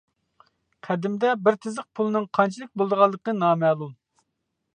قەدىمدە بىر تىزىق پۇلنىڭ قانچىلىك بولىدىغانلىقى نامەلۇم.